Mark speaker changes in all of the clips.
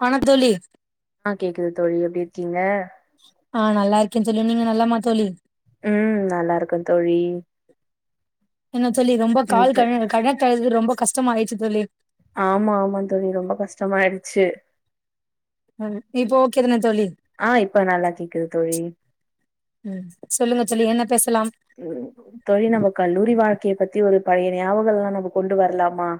Speaker 1: பனத்தொல்லி
Speaker 2: ஆ கேக்குது தோழி எப்டி இருக்கீங்க
Speaker 1: நா நல்லா இருக்கேனு தோழி நீங்க நலம்மா தோழி
Speaker 2: ம் நல்லாருக்கோத் தோழி
Speaker 1: என்ன சொல்லி ரொம்ப கால் க
Speaker 2: இது
Speaker 1: கணக்கெழுதி ரொம்ப கஷ்டமா ஆயிர்ச்சு தோழி
Speaker 2: ஆம்மா ஆமா தோழி ரொம்ப கஷ்டமாயிடுச்சு
Speaker 1: ம் இப்போ ஒக்கேதானே
Speaker 2: ஆ இப்ப நல்லா கேக்குது தோழி
Speaker 1: ம் சொல்லுங்க தோழி என்ன பேச
Speaker 2: ம் தோழி நம்ம கல்லூரி வாழ்க்கய பத்தி ஒரு பழைய ஞாபகங்கள்லா நம்ப கொண்டு வர்லாமா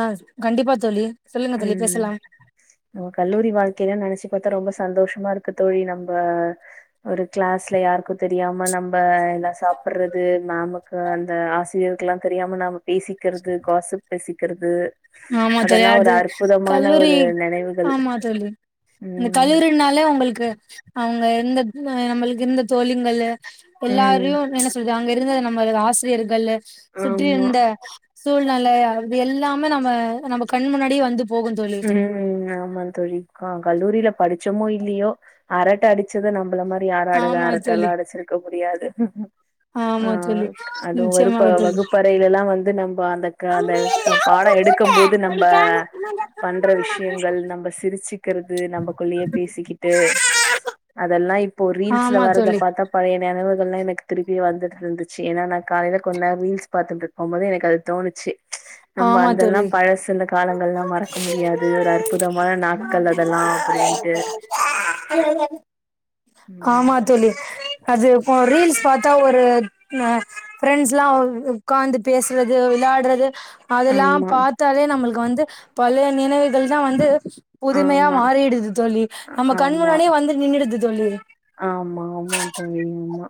Speaker 1: ஆ ஸ் கண்டிப்பா தோழி சொல்லுங்க தோழி
Speaker 2: ம்
Speaker 1: பேசலாம்
Speaker 2: பத்தா ரொம்ப சந்தோஷமா இருக்கு தோழி நம்ப ஒரு கிளாஸ்ல யாருக்கு தெரியாம நம்ப சாப்புட்றது மேமுக்கு அந்த ஆசிரியர் க்குலா தெரியாம நாம பேசிக்கிறது காசிப்பசி குறது
Speaker 1: ஆமா தோழி அது கல்லூரி
Speaker 2: ஒரு நெனைவுகள்
Speaker 1: ஆமா தோழி இந்த
Speaker 2: ம்
Speaker 1: கல்லூரினாலே உங்களுக்கு அவங்க எந்த இல்ல நம்மளுக்கு இருந்த தோழிங்கள்ளு
Speaker 2: ம்
Speaker 1: எல்லாரியு என்ன சொல் து அங்க இருந்தது நம்மளது ஆசிரியர்களு சுற்றி
Speaker 2: ஆமா
Speaker 1: இந்த சூழ்நெலைய அது எல்லா ம்ம நம்ம நம்ப கண் முன்னாடியே வந்து தோழி
Speaker 2: ம் ஆமா தோழி க கல்லூரில படி ச்சமோ இல்லியோ அரட்ட அடிச்சது நம்பள மா யாராரு
Speaker 1: ஆமா தோழி
Speaker 2: யாருக்கெல்லா அடிச்சிருக்க முடியாது ஆ
Speaker 1: ஆமா தோழி
Speaker 2: அது வருப்ப
Speaker 1: நிச்சயமாக தோழி
Speaker 2: வகுப்பறைலெல்லா வந் து நம் ப்போ அந்த க அந்த க பாடோ எடுக்கும் போது நம்ப பண்ற விஷயங்கள் நம்ப சிரிச்சிக்கிறது நம்பக்குள்ளயே பேசிக்கிட்டு அதெல்லா இப்போ ரீல்ஸ்ல
Speaker 1: ஆமா
Speaker 2: வரத்த
Speaker 1: தோழி
Speaker 2: பாத்தா பழைய நெனவு தேல்லா எனக்கு திருப்பி வந்துட்ருந்துச்சு ஏன்னா நா காலையில கொன்நேர் ரீல்ஸ் பாத்துட்ருக்கும் போதே எனக்கு அது தோணுச்சு நம்ப
Speaker 1: ஆமா தோழி
Speaker 2: அதெல்லாம் பழசு இந்த காலங்கள்லா மற க்க முடியாது ஒரு அற்புதமான நாட்கள் அதெல்லா அப்புடின்ட்டு ம்
Speaker 1: ஆமா தோழி அது இப்ப ரீல்ஸ் பாத்தா ஒரு அ ஃப்ரெண்ட்ஸ் எல்லா உட்காந்து பேசுறது விளாடுறது அதெல்லாம்
Speaker 2: ஆமா
Speaker 1: பாத்தாலே நம்மளுக் வந்து பல நினைவுகள் தா வந்து புதுமையா
Speaker 2: ஆமா
Speaker 1: மாறிடுது தோழி நம்ம
Speaker 2: ஆமா
Speaker 1: கண்முன்னாடியே வந்து நின்னுடுது. தோழி
Speaker 2: ஆமா ஆமா தோழி ஆமா.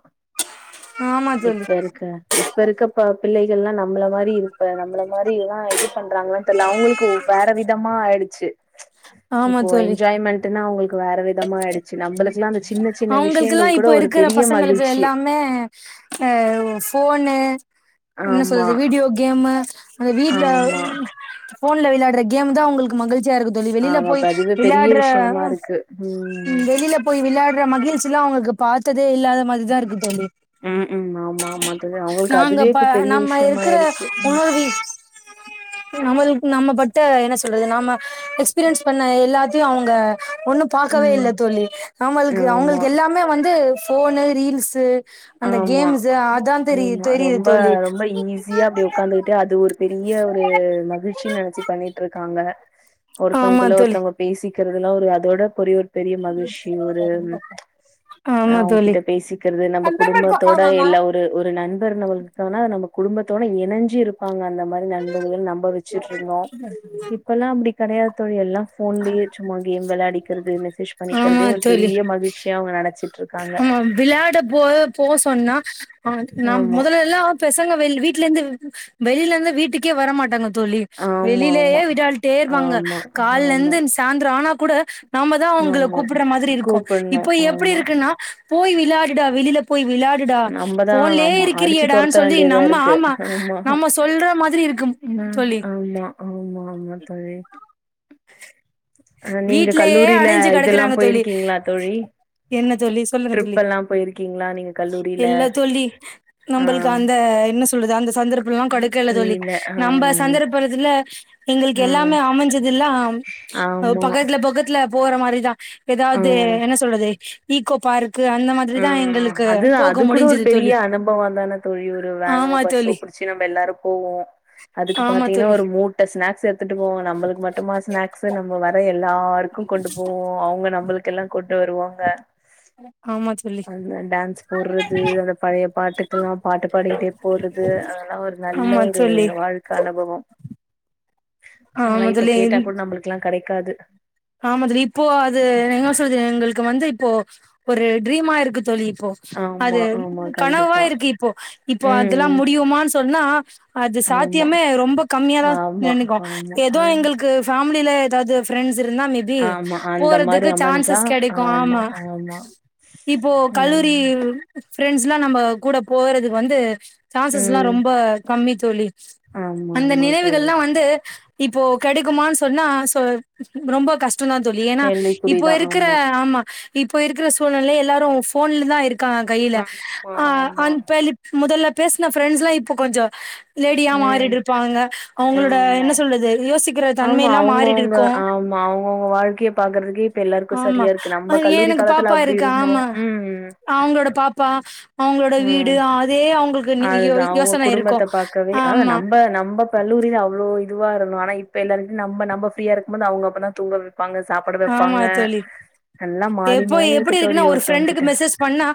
Speaker 1: ஆமா தோழி
Speaker 2: இப்ப இருக்க இப்ப இருக்க பா பிள்ளைகள்லா நம்மள மாரி இருப்ப நம்மள மாரிதா இது பண்றாங்களான் தெர்ல அவங்களுக்கு வேற விதமா ஆயிடுச்சு.
Speaker 1: ஆமா
Speaker 2: இப்போ
Speaker 1: தோழி
Speaker 2: என்ஜாய்மெண்ட்ன்னா அவங்களுக்கு வேற இதாமா ஆயிடுச்சு நம்முளுக்.
Speaker 1: அவுங்குளுக்குலா இப்ப இருக்குற பசங்களுக்கு
Speaker 2: மகிழ்ச்சி
Speaker 1: எல்லாமே அ ஃபோனு என்ன
Speaker 2: ஆமா
Speaker 1: சொல்றது வீடியோ கேமு அந்த வீட்ல
Speaker 2: ஆமா
Speaker 1: ஃபோன்ல வெளாடுற கேம்தா அவுங்களுக்கு முதல் த்ருப்தியா இருக்குது தோலி வெளில
Speaker 2: ஆமா
Speaker 1: போய்
Speaker 2: இப்ப அதுவே பெரிய
Speaker 1: வெளையாடுற
Speaker 2: விஷயமா இருக்கு ம்
Speaker 1: வெளிலப் விளாயுடுற மகிழ்ச்சிலா அவுங்க பாத்தது வே இல்லாத மாதிரிதா இருக்கு தோலி
Speaker 2: ம் ம் ஆமா ஆமா தோழி அவங்களுக்கு
Speaker 1: நாங்க
Speaker 2: அதுவே
Speaker 1: ப
Speaker 2: இப்ப பெரிய
Speaker 1: நம்ம இருக்கிற
Speaker 2: விஷயமாயிடுச்சு ம்
Speaker 1: உணர்வு நமது நம்ம பட்ட என்ன சொல்றது நாம எஸ்பீரியன்ஸ் பண்ண எல்லாத் அவுங்க ஒண்ணோ பாக்கவே
Speaker 2: ம்
Speaker 1: இல்ல தோலி. அவுங்குளுக்கு
Speaker 2: ஆமா
Speaker 1: அவுங்குளுக்கு எல்லாமே வந்த் ட்டு ஃபோனு ரீல்ஸு அந்த
Speaker 2: ஆமா
Speaker 1: கேம்ஸு அதா தெரியு
Speaker 2: ஆமா
Speaker 1: தெரியுது
Speaker 2: ரொம்ப
Speaker 1: தோழி
Speaker 2: ரொம்ப ஈஸியா அப்டி ஒக்காந்துகிட்டு அது ஒரு பெ பெரிய ஒரு மகிழ்ச்சி நெனைச்சி பண்ணிட்டுருக்காங்க
Speaker 1: ஆமா
Speaker 2: ஒருத்தவுங்களுக்குள்ள
Speaker 1: தோழி
Speaker 2: ஒருத்தவங்க பேசி இருக்குறதுல்லா ஒரு அதோட பொரிவரு பெரிய மகிழ்ச்சி ஒரு
Speaker 1: ஆமா தோழி
Speaker 2: அவுங்ககிட்ட பேசிக்குறது நமக் குடும்பத்தோட எல்லா ஒரு ஒரு நண்பர் நமக்கு தொன நம்ம குடும்பத்தோட எணஞ்சி இருப்பாங்க அந்த மாரி நண்பர்கள் நம்ப வெச்சிட்ருந்தோ இப்பல்லா அப்டி கெடையாது தோழி எல்லா ஃபோன்லயே சும்மா கேம் வெளையாடிக்கிறது மெசேஜ்
Speaker 1: ஆமா
Speaker 2: பண்ணிக்குறதே ஒரு
Speaker 1: தோழி
Speaker 2: பெரிய மகிழ்ச்சியா அவுங்க நெனச்சி
Speaker 1: ஆமா விளாடபூ போ போக சொன்னா நா
Speaker 2: ஆமா.
Speaker 1: முதலல்லா பெசங்க வெ வீட்ல இருந்து வெளில இருந்து வீட்டுக்கே வர மாட்டாங்கத் தோலி வெளிலயே
Speaker 2: ஆமாமா.
Speaker 1: வெளாடிட்டே இருப்பாங்க
Speaker 2: ஆமா,
Speaker 1: கால்ல
Speaker 2: ஆமா,
Speaker 1: இர்ந்து சாய்ந்ரோ ஆனாப் கூட நாம தான் அவங்கள
Speaker 2: ஆமா.
Speaker 1: கூப்பிடுற மாதிரி இருக்கும்
Speaker 2: கூப்பட்ணும்.
Speaker 1: இப்போ எப்படி
Speaker 2: ஆமா.
Speaker 1: இருக்குன்னா போய் விளாடுடா வெளியில போய் விளாடு டா
Speaker 2: நம்ப தான்
Speaker 1: போன்லயே
Speaker 2: ஆமா. அடிச்சு தொரத்த
Speaker 1: இருக்கிறியடான்னு சொல்லி
Speaker 2: வேண்டியதா
Speaker 1: நம்ம
Speaker 2: இருக்கு.
Speaker 1: ஆமா நம்ம சொல்ற மாதிரி இருக்கும்
Speaker 2: ஆமா,
Speaker 1: சொல்லி
Speaker 2: ஆமா ஆமா தோழி அ நீங்க
Speaker 1: வீட்லயே
Speaker 2: கல்லூரில
Speaker 1: அடைஞ்சு
Speaker 2: இதெல்லா
Speaker 1: கிிடக்கறாங்க தோழி
Speaker 2: போயிருக்கீங்களா தோழி
Speaker 1: என்ன தோழி சொல்லுங்க
Speaker 2: ட்ரிப்
Speaker 1: தோழி
Speaker 2: எல்லா போயிருக்கீங்களா நீங்க கல்லூரில
Speaker 1: எல்லா தோழி
Speaker 2: ஆ
Speaker 1: நம்மளுக்கு அந்த என்ன சொ அந்த சந்தர்ப்பம் எல்லாம் கெடைக்கல தோழி
Speaker 2: இல்ல ஆ
Speaker 1: நம்ப சந்தர்ப்பத்துல எங்களுக்கு
Speaker 2: ஆ
Speaker 1: எல்லாமே அமைஞ்சதுல்லாம்
Speaker 2: ஆமா
Speaker 1: பகத்ல பகத்ல போற மாரிதான் எதாவது என்ன சொல்றது ஈகோ பார்க்
Speaker 2: ஹம் அது அது கூூட ஒரு
Speaker 1: முடிஞ்சது
Speaker 2: பெரிய
Speaker 1: தோழி
Speaker 2: அனுபவம்ந்தான தோழி ஒரு வேனோ
Speaker 1: ஆமா
Speaker 2: பஸ்ஸோ
Speaker 1: தோழி
Speaker 2: பிடிச்சு நம்ம எல்லாரும் போவோம் அதுக்கு
Speaker 1: ஆமா
Speaker 2: பாத்தீங்கன்னா
Speaker 1: தோழி
Speaker 2: ஒரு மூட்ட ஸ்நாக்ஸ் எடுத்துட்டு போவோங்க நம்மளுக்கு மட்டுமா ஸ்நாக்ஸ் நம்ம வ எல்லாருக்கும் கொண்டு போவோம் அவங்க நம்மளுக்கெல்லாம் கொ [unintelligible] வருவாங்க
Speaker 1: ஹ
Speaker 2: அந்த டான்ஸ் போட்றது அந்த பழைய பாட்டுக்குல்லா பாட்டு பாடிக்கிட்டே போறது அதெல்லா ஒரு நல்ல
Speaker 1: ஆமா
Speaker 2: ஒரு
Speaker 1: தோழி
Speaker 2: வாழ்க்க அனுபவம் அதெல்லா
Speaker 1: ஆமா
Speaker 2: இப்ப கேட்டா கூட நம்ளுக்குலா கடை காது
Speaker 1: ஆம துளி இப்போ அது எங்கா சொல்து எங்கள்க்கு வந்து இப் போ ஒரு ட்ரீம்மா இருக்கு தோழி பொ அது
Speaker 2: ஆமா, ஆமா.
Speaker 1: கனவா
Speaker 2: கண்டிப்பா.
Speaker 1: இருக்கு இப்பொ இப்போ
Speaker 2: ம்.
Speaker 1: அதெல்லாம் முடியுமானு சொன்னா அது
Speaker 2: ஆமா,
Speaker 1: சாத்தியமே ரொம்ப கம்மியாதா
Speaker 2: ஆமா,
Speaker 1: நின்னுக்கு
Speaker 2: ஆமா. அ
Speaker 1: ஏதோ எங்கள்க்கு ஃபேம் முடில ஏதாவது பிரண்ட்ஸ் இருந்தா மேபி
Speaker 2: ஆமா. அந்த மாரி
Speaker 1: போறதுக்கு
Speaker 2: அமைஞ்சா
Speaker 1: சான்சஸ் கிடைக்கு ஆமா இப்போ கல்லூரி
Speaker 2: ம்,
Speaker 1: ஃப்ரெண்ட்ஸ் எல்லா நம்ம கூட போறதுக்கு வந்து சாசஸ்லா
Speaker 2: ம்.
Speaker 1: ரொம்ப கம்மித்தொழி அந்த
Speaker 2: ஆமாமா தோழி.
Speaker 1: நினைவுகள்லா வந்து இப்போ கெடைக்குமான் சொன்னா சொ ரொம்ப கஷ் மட்டுந்தா தோழி ஏனா
Speaker 2: கேள்விக்குறி
Speaker 1: இப்போ
Speaker 2: தான்.
Speaker 1: இருக்கிற ஆமா இப்போ இருக்ற சூழ்நெல எல்லாரு போன்லதா இருக் க கையில
Speaker 2: ஆமா,
Speaker 1: அ
Speaker 2: ஆமா.
Speaker 1: அன் பெலிப் முதல்ல பேசின ஃரெண்ட்ஸ் எல்லா இப்போ கொஞ்சோ லேடியா
Speaker 2: ம்.
Speaker 1: மாறிட்டுருப்பானுங்க அவங்ளோட
Speaker 2: ஆமா.
Speaker 1: என்ன சொல்றது யோசி ங்குற
Speaker 2: ஆமா
Speaker 1: தன்மைல்லா மாறிடு
Speaker 2: அவங்கவுங்க ஆமா அவுங்கவுங்க வாழ்க்கைய பாக்குறதுக்கே இப்ப எல்லாருக்கு
Speaker 1: ஆமா
Speaker 2: சரியா இருக்கு நம்ம
Speaker 1: ஏன்
Speaker 2: கல்லூரி
Speaker 1: எனக்கு
Speaker 2: காலத்துல
Speaker 1: பாப்பா
Speaker 2: அப்டி
Speaker 1: இருக்கு
Speaker 2: இருந்தோ
Speaker 1: ஆமா
Speaker 2: உம்
Speaker 1: அவங்ளோட வீடு ஆதே அவங்கள்க்
Speaker 2: அதுதா அவுங்க குடும்பத்த பாக்கவே ஆ
Speaker 1: ஆமா
Speaker 2: நம்ம நம்ம கல்லூரில அவ்ளோ இதுவா இருந்தோம் ஆனா இப்ப எல்லாரு நம்ம நம்ம ஃப்ரீயா இருக்கும்போது அவுங்க அப்பதா தூங்க வ
Speaker 1: ஆமா தோழி
Speaker 2: எல்லா மாறி
Speaker 1: எப்போ
Speaker 2: மாறி
Speaker 1: எப்டி
Speaker 2: இருக்கு தோழி
Speaker 1: இருக்குன்னா ஒரு
Speaker 2: ஒருத்தவங்க
Speaker 1: ஃப்ரெண்டுக்கு
Speaker 2: கிட்ட
Speaker 1: மெசெஸ் பண்ணா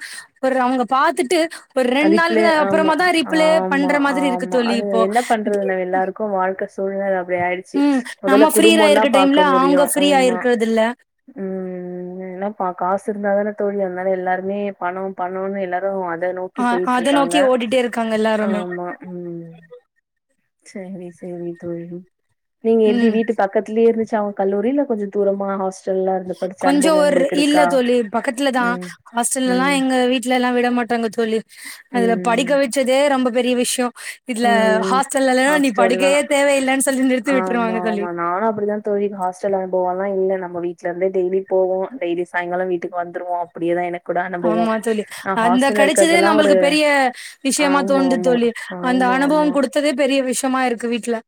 Speaker 1: ஒரு அவுங்க பாத்துட்டு ஒர் ரெண் நாள்க்குதா
Speaker 2: அம்மா ஆமா ஆமா அது
Speaker 1: இப்போ
Speaker 2: என்ன பண்றது ந எல்லாருக்கும் வாழ்க்க சூழ்ந இப்டி ஆயிடுச்சி
Speaker 1: ம்
Speaker 2: மொதல்ல
Speaker 1: நம்ம ஃப்ரீயா
Speaker 2: குடும்போந்தா
Speaker 1: இருக்க
Speaker 2: பாக்க
Speaker 1: டைம்ல அவங்க
Speaker 2: முடியூ
Speaker 1: ஃப்ரீயா
Speaker 2: ஆமா
Speaker 1: இருக்கறது இல்ல
Speaker 2: உம் என்னப்பா காசு இருந்தா தான தோழி அது மேல எல்லாருமே பணோ பணோனு எல்லாரு அ அத நோக்கி பொயிட்ருக்காங்க
Speaker 1: போட்டுட்டே இருக்காங்க எல்லருமே
Speaker 2: சரி சரி தோழி நீங்க எப்படி
Speaker 1: ம்
Speaker 2: வீட்டு பக்கத்துலயே இருந்து [unintelligible] கல்லூரி இல்ல கொஞ்ச தூரம்மா ஹஸ்
Speaker 1: கொஞ்சம் ஒரு இல்ல தோழி பக்கத்துலதான்
Speaker 2: ம்
Speaker 1: ஹாஸ்டல்ல எல்லாம்
Speaker 2: ம்
Speaker 1: எங்க வீட்ல எல்லாம் விட மாட்டாங்க தோழி அதுல படிக்க
Speaker 2: ம்
Speaker 1: வச் சதே ரொம்ப பெரிய விஷயம் இதுல
Speaker 2: ம்
Speaker 1: ஹாஸ்டல்யில்லன்னா நீ
Speaker 2: ஹாஸ்டல்லா
Speaker 1: படிக்கவே தேவையில்லன்னு சொல்லி நிறுத்தி
Speaker 2: ஆமா
Speaker 1: விட்டுருவாங்க தோழி
Speaker 2: ஆமா நானும் அப்டிதான் தோழி ஹாஸ்டல் அனுபவம்யெல்லாம் இல்ல நம்ம வீட்லயிருந்து டெய்லி போவோம் டெய்லி சாயங்காலம் வீட்டுக்கு வந்துடுவோம் அப்படியே தான் எனக்கு கூட அனுபவோ
Speaker 1: ஆமா தோழி
Speaker 2: நா
Speaker 1: அந்த
Speaker 2: ஹாஸ்டல்ல
Speaker 1: கிடைச்சதே
Speaker 2: இருக்கறதெல்லா ஒரு
Speaker 1: நம்மளுக்கு பெரிய விஷயமா தோண்து
Speaker 2: ஆமாமா
Speaker 1: தோழி அந்த
Speaker 2: ஆமாமா
Speaker 1: அனுபவம் கொடுத்ததே பெரிய விஷ யமா இருக்கு வீட்ல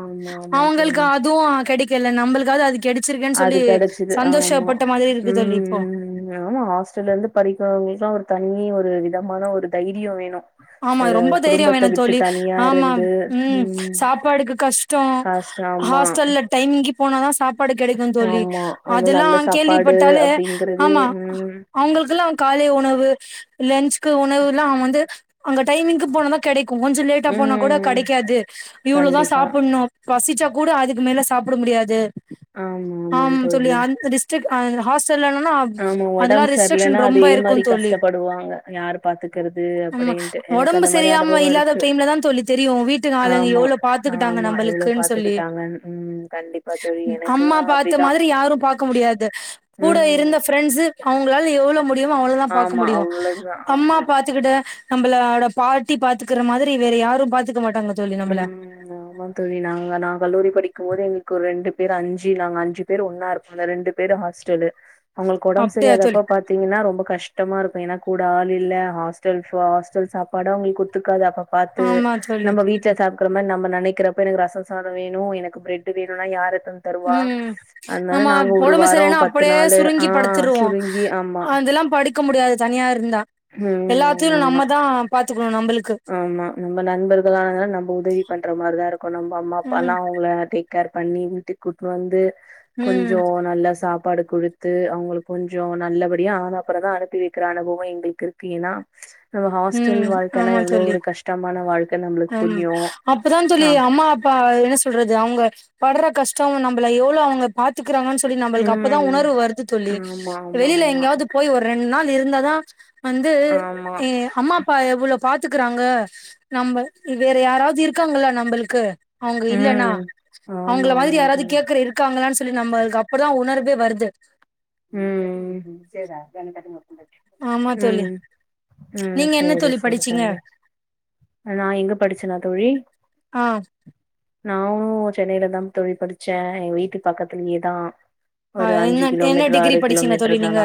Speaker 2: ஆமாமா
Speaker 1: அவங்களுக்கு
Speaker 2: தோழி
Speaker 1: அதுவும் கிடை இல்ல நம்ளுக்காவது அது கிடை
Speaker 2: அது கிடைச்சிது ஆமா
Speaker 1: இருக்கு
Speaker 2: உம்
Speaker 1: தோழி இப்போ
Speaker 2: உம் ஆமா ஹாஸ்டல்லயிருந்து படிக்கிறவங்களுக்கு எல்லாம் ஒரு தனி ஒரு விதமான ஒரு தைரியம் வேணு
Speaker 1: ஆமா
Speaker 2: ஒரு
Speaker 1: ரொம்ப தைரியம்
Speaker 2: குடும்பத்த
Speaker 1: வேணும்
Speaker 2: விட்டு
Speaker 1: தோழி
Speaker 2: தனியா
Speaker 1: ஆமா
Speaker 2: இருந்து
Speaker 1: உம்
Speaker 2: ம்
Speaker 1: சாப்பாடுக்கு கஷ்டோ
Speaker 2: கஷ்டோ ஆமா
Speaker 1: ஹாஸ்டல்ல டைம்கி போனதான் சா ப்பாடு கிடைக்கும் தோழி
Speaker 2: ஆமா அது நல்ல
Speaker 1: அதெல்லாம்
Speaker 2: சாப்பாடு
Speaker 1: கேள்விப்பட்டாலே
Speaker 2: அப்டிங்கறதே
Speaker 1: ஆமா
Speaker 2: ம்
Speaker 1: அவங்களுக்கெல்லாம் காலை உணவு லன்ச்க்கு உணவு ல்ல [unintelligible] வந்து அங்க டைமிங்க்கு போனதா கெடைக் கொஞ்சோ லேட்டா போனா கூட
Speaker 2: ம்
Speaker 1: கெடைக்காது இவ்ளோ தா
Speaker 2: கண்டிப்பா
Speaker 1: சாப்புணு பசிச்சா கூட அதுக்கு மேல ச் சாப்ட முடியாது
Speaker 2: ஆமா ஆமா
Speaker 1: ஆம் சொல்லி
Speaker 2: தோழி
Speaker 1: அந்த டிஸ்டிக் ஆ இந்த ஹாஸ்
Speaker 2: ஆமா ஒடம்பு செர்லனா
Speaker 1: ரொம்ப
Speaker 2: அதே
Speaker 1: இருக்கு
Speaker 2: மாரி
Speaker 1: தோழி
Speaker 2: கஷ்டப்படுவாங்க யார் பாத்துக்கறது
Speaker 1: ஆமா
Speaker 2: அப்படின்ட்டு
Speaker 1: ஒடம்பு செரியாம இல்லாத டைம்ல தா தோழி தெரியு வீட்டு ஆளுங்க
Speaker 2: ஆமா,
Speaker 1: எவ்ளோ பாத்துக்கிட்டாங்க
Speaker 2: ஆமா. எவ்ளோ
Speaker 1: நம்மளுக்குன் சொல்லி
Speaker 2: பாத்துக்கிட்டாங்கன்னு. ம். கண்டிப்பா தோழி.
Speaker 1: அம்மா
Speaker 2: எனக்கெல்லாம்
Speaker 1: பாத்த
Speaker 2: அப்டிதான்.
Speaker 1: மாதிரி யாரு பாக்க முடியாது கூட
Speaker 2: ம்.
Speaker 1: இருந்த ப் ப்ரண்ஸ் அவங்களால எவ்ளோ முடி யுமோ அவ்ளோதா பாக்க
Speaker 2: ஆமா.
Speaker 1: முடியு
Speaker 2: அவ்ளோதான்.
Speaker 1: அம்மா
Speaker 2: ஆமா.
Speaker 1: பாத்துக்கிட்டு நம்மளோட பாட்டி பாத்துக்கற மாதிரி வேற யாரு பாத்துக்
Speaker 2: ம் ஆமா தோழி நாங்க நா கல்லூரி படிக்குமோது எங்களுக்கு ஒரு ரெண்டு பேர் அஞ்சு நாங்க அஞ்சு பேர் ஒன்னா இருக்க ரெண்டு பேர் ஹாஸ்டலு அவங்களுக்கு ஒடம்
Speaker 1: அப்டியா தோழி
Speaker 2: செரியாதப்ப பாத்தீங்கன்னா ரொம்ப கஷ் கஷ்டமா இருக்கு ஏனா கூட ஆள் இல்ல ஹாஸ்டல் [unintelligible] ஹாஸ்டல் சாப்பாடு அவுங்களுக்கு ஒத்துக்காது அப்பப் பாத்து
Speaker 1: ஆமா தோழி
Speaker 2: நம்ம வீட் பாக்குற மாரி நம்ம நெனைக்கிறப்ப எனக்கு ரச சாதோ வேணு, எனக்கு பிரட் வேணுனா யாரு
Speaker 1: ம் நம்மா
Speaker 2: ஒரு
Speaker 1: ஒடம்பு
Speaker 2: வாரோ
Speaker 1: சரியில்லனா
Speaker 2: பத்து
Speaker 1: அப்டியே
Speaker 2: நாளு
Speaker 1: சுருங்கி
Speaker 2: ஆ
Speaker 1: படுத்துருவோ
Speaker 2: சுருங்கி ஆமா
Speaker 1: அதெல்லா படுக்க முடியாது தனியா இருந்தா.
Speaker 2: ம்
Speaker 1: எல்லாத்துல்
Speaker 2: ஆமா
Speaker 1: நம்மதா பாத்
Speaker 2: ஆமா நம்ம நண்பர்களாலதா நம்ப உதவி பண்ற மாரிதா இருக்கு நம்ப அம்மா அப்பா
Speaker 1: ம்
Speaker 2: எல்லா அவுங்கள டேக் கேர் பண்ணி வீட்க்கு கூட்னு வந்து
Speaker 1: ம்
Speaker 2: கொஞ்சோ நல்ல சாப்பாடு குடுத்து அவுங்களுக்கு கொஞ்சோ நல்லபடியா ஆனாப்பறோ தா அனுப்பி வக்கிற அனுபவ எங்களுக்கு இருக்கு. ஏன்னா ப்ச் நம்ம ஹாஸ்டல்
Speaker 1: ம்
Speaker 2: வாழ்க்
Speaker 1: ஆமா தோழி, அம்
Speaker 2: புரியு
Speaker 1: அப்பதா சொல்லி
Speaker 2: ஆ
Speaker 1: அம்மா, அப்பா என்ன சொல்றது அவுங்க படுற கஷ்டோ நம்பள எவ்ளோ அவங்க பாத்து இருக்றாங்கன் சொல்லி நம்பளுக்கு அப்பதா
Speaker 2: ம்
Speaker 1: உணர்வு வருது தோழி.
Speaker 2: ஆமா ஆமா
Speaker 1: வெளியில
Speaker 2: ஆமா
Speaker 1: எங்கயாவது போய் ஒரு ரெண்டு நாள் இருந்தாதா வந்து
Speaker 2: ஆமா
Speaker 1: அம்மா, அப்பா எவ்ளோ பாத்துக்றாங்க, நம்ம வேற யாராவது இருக்காங்ளா நம்பளுக்கு? அவுங்க இல்லன்னா
Speaker 2: ம் ஆமா
Speaker 1: அவுங்கள மாரி
Speaker 2: ஆமா
Speaker 1: யாராவது
Speaker 2: தோழி
Speaker 1: கேக்குற இருக்காங்ளானு ச் சொல்லி நம்பளுக்கு அப்ப தா உணர்வே வருது.
Speaker 2: ம் சேர் அப்ப [unintelligible]
Speaker 1: ஆமா தோழி
Speaker 2: உம் உம்
Speaker 1: நீங்க என்ன
Speaker 2: செரி
Speaker 1: தோழி
Speaker 2: செரி
Speaker 1: படிச்சீங்க
Speaker 2: தோழி. நா எங்க படிச்சென்னா தோழி
Speaker 1: ஆ
Speaker 2: நானும் சென்னையிலதா தோழி படிச்சே எங்க வீட்டு பக்கத்திலேயேதா ஒரு
Speaker 1: என்ன
Speaker 2: அஞ்சு கிலோ
Speaker 1: என்ன
Speaker 2: மீட் ஒரு
Speaker 1: டிகிரி
Speaker 2: ஆறு
Speaker 1: படிச்சீங்க தோழி
Speaker 2: கிலோமீட்டர் தானா?
Speaker 1: நீங்க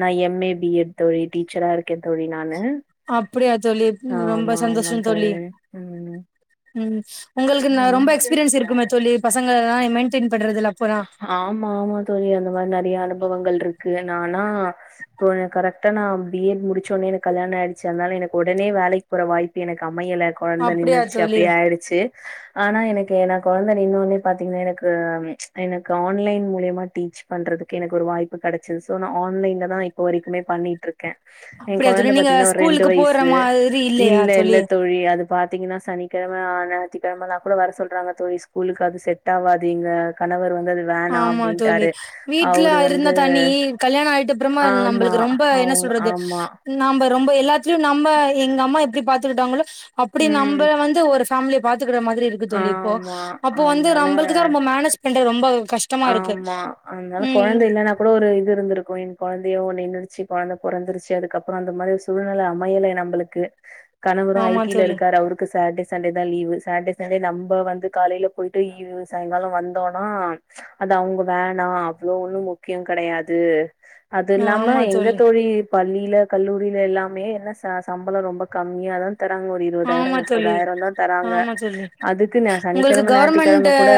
Speaker 2: நா எம் ஏ பி எட் தோழி. டீச்சரா இருக்கேன் தோழி நா நானு.
Speaker 1: அப்படியா தோழி ரொம்ப
Speaker 2: ஆமா ஆமா
Speaker 1: சந்தோஷோ
Speaker 2: தோழி உம்
Speaker 1: ம் ஒங்களுக்கு இன்ன ரொம்ப எக்ஸ்பீரியன்ஸ் இருக்குமே தோழி. பசங்க எல்லா மெயிண்டெயின்
Speaker 2: ஆமா, ஆமா தோழி அந்த மாரி நெறைய அனுபவ அனுபவங்கள் இருக்கு. நா ஆனா போன கரெக்டா நா பி எட் முடிச்சொட்னே எனக்கு கல்யாணம் ஆயிடுச்சு. அதனால எனக்கு உடனே வேலக்கு போற வாய்ப்பு எனக்கு அமையல கொழந்த
Speaker 1: அப்டியா
Speaker 2: நின்னுடுச்சு,
Speaker 1: தோழி
Speaker 2: அப்டி ஆயிட்ச்சி ஆனா எனக்கு நா கொழந்த நின்ன ஒடன்னே பாத்தீங்கன்னா எனக்கு ப்ச் எனக்கு ஆன்லைன் மூல்யமா டீச் பண்றதுக்கு எனக்கு ஒரு வாய்ப்பு கெடச்சது. ஸோ நா ஆன்லைன்ல தா இப்போ வரைக்குமே பண்ணிட் இருக்
Speaker 1: அப்டியா தோழி
Speaker 2: ஏங்கொழந்த
Speaker 1: நீங்க
Speaker 2: பாத்தீங்கன்னா ஒரு ரெண்டு
Speaker 1: ஸ்கூலுக்கு போற
Speaker 2: வயசு.
Speaker 1: மாதிரி இல்லையா
Speaker 2: இல்ல இல்ல தோழி அது பார்த்தீங்கன்னா சனிக்கிழம ஆ ஞாயிரத்துகிழமெலா கூட வர சொல்கிறாங்க தோழி ஸ்கூலுக்கு அது செட் ஆவாது யெங்கா கணவர் வந்
Speaker 1: ஆமா தோழி வீட்டுல இருந்த
Speaker 2: வந்து
Speaker 1: தனி கல்யாண ஆயிட்டு அப்புறமா
Speaker 2: ஆமா
Speaker 1: நம்பளுக்கு ரொம்ப என்ன
Speaker 2: அவுங்
Speaker 1: சொல்றது
Speaker 2: ஆமா
Speaker 1: ந ரொம்ப எல்லாத்தலயும் நம்ம எங்க அம்மா எப்படி பாாரத்துக்கட்டாங்களோ அப்படி
Speaker 2: ம்
Speaker 1: நம்ப வந்து ஒரு பாம்லி பாத் துக்கிற மாரி இருக்கு தோல்லி இப்போ
Speaker 2: ஆமா
Speaker 1: அப்போ வந்து
Speaker 2: அதனால
Speaker 1: நம்மளுக்கு தான் ரொம்ப மேனேஜ் பண்ற ரொம்ப கஷ்டமா இருக்கு
Speaker 2: ஆமா அதனால குழந்தை
Speaker 1: ம்
Speaker 2: இல்லைன்னா கூட ஒரு இது இருந்திருக் [unintelligible] கொழந்தையு நின்னுடுச்சு கொழந்த பொறந்துருச்சு அதுக்கப்பறொ அந்த மாரி ஒர் சூழ்நல அமையல நம்பளுக்கு கணவரு
Speaker 1: ஆமா
Speaker 2: ஐடில
Speaker 1: தோழி
Speaker 2: இருக்காரு அவருக்கு சாட்டே சன் சண்டே தான் லீவு சாட்டர்டே சண்டே நம்ம்ப வந்து காலையில போயிட்டு ஈ விவ சாயங்காலம் வந்தோம்னா அது அவங்க வேணா அவ்வளவு ஒண்ணு முக்கிய கிடையாது அது இல்லாம எங்க தோழி பள்ளி ல கல்லூரியில எல்லாமே என்ன ச சம்பலோ ரொம்ப கம்மியாதா தராங்க ஒரு இருபதாயிரோ
Speaker 1: ஆமா தோழி
Speaker 2: முப்பதாயிரோ தா தராங்க
Speaker 1: ஆமா தோழி
Speaker 2: அதுக்கு ந
Speaker 1: உங்களுக்கு
Speaker 2: சனிக்கிழமை
Speaker 1: கவர்மெண்ட்
Speaker 2: ஞாயிற்றுக்கிழமை கூட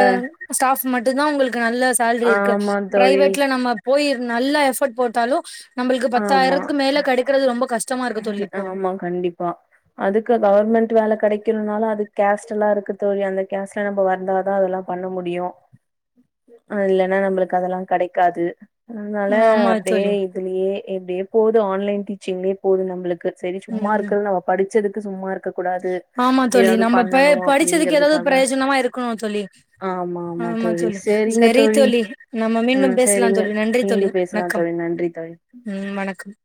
Speaker 1: ஸ்டாஃப் மட்டுந்தா உங்களுக்கு நல்ல சேலரி இருக்கு
Speaker 2: ஆமா தோழி.
Speaker 1: பிரைவேட்ல நம்ம போய நல்லா எஃபர்ட் போட்டு தாலு நம்மளுக்கு
Speaker 2: ஆமா.
Speaker 1: பத்தாயிரத்துக்கு மேல கிடைக்கறிறது ரொம்ப கஷ்
Speaker 2: ஆமா கண்டிப்பா அதுக்கு கவர்மெண்ட் வேல கெடைக்கணுனால அது கேஷ்ட் எல்லா இருக்கு தோழி அந்த கேஸ்ட்ல நம்ம வந்தாதா அதெல்லா பண்ண முடியு இல்ன்னா நம்மளுக்கு அதெல்லாம் கிடைக்காது. அதனால
Speaker 1: ஆமா
Speaker 2: அப்டியே
Speaker 1: தோழி
Speaker 2: இதுலயே எப்டியோ போகுது ஆன்லைன் டீச்சிங்லயே போது நம்மளுக்கு செரி சும்மா
Speaker 1: ம்
Speaker 2: இருக்கறது நம்ம படி பச்சதுக்கு சும்மா இரு
Speaker 1: ஆமா தோழி நம்ம பெ படிச்சதுக்கு எதாவது
Speaker 2: அப்டிங்கறதுக்காக
Speaker 1: பிரயோஜனமா இருக்கணு தோழி ஆமா தோழி சரி தோழி நம்ம
Speaker 2: ம்
Speaker 1: மீண்டும் பேசலாம்
Speaker 2: சேரிங்க
Speaker 1: தோழி நன்றி தோழி
Speaker 2: மீண்டும் பேசலா
Speaker 1: வணக்கம்
Speaker 2: தோழி நன்றி தோழி
Speaker 1: ம் வணக்கம்